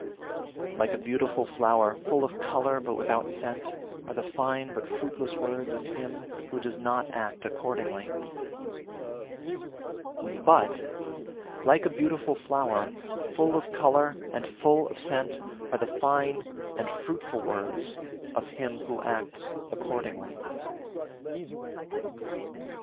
Like a beautiful flower, full of colour, but without scent, are the fine but fruitless words of him who does not act accordingly. 52. But, like a beautiful flower, full of colour and full of scent, are the fine and fruitful words of him who acts accordingly.